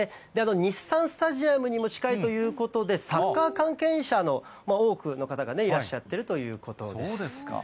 日産スタジアムにも近いということで、サッカー関係者の多くの方がね、いらっしゃってるということです。